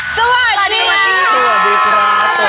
สวัสดีค่ะ